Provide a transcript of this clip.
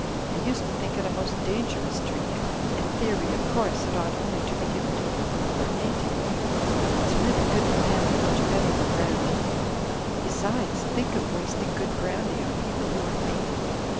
"I used to think it a most dangerous drink. In theory, of course, it ought only to be given to people who are fainting. It's really good for them, much better than brandy. Besides, think of wasting good brandy on people who are fainting